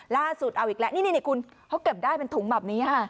ล่าสุดเอาอีกแล้วนี่คุณเขาเก็บได้เป็นถุงแบบนี้ค่ะ